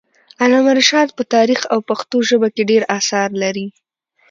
علامه رشاد په تاریخ او پښتو ژبه کي ډير اثار لري.